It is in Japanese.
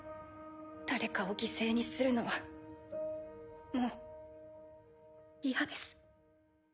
誰かを犠牲にするのはもう嫌です。